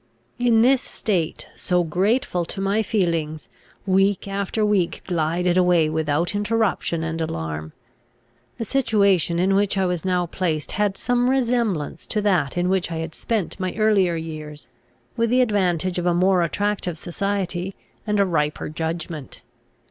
In this state, so grateful to my feelings, week after week glided away without interruption and alarm. The situation in which I was now placed had some resemblance to that in which I had spent my earlier years, with the advantage of a more attractive society, and a riper judgment.